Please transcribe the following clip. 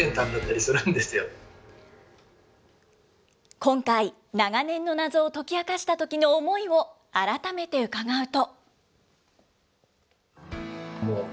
今回、長年の謎を解き明かしたときの思いを改めて伺うと。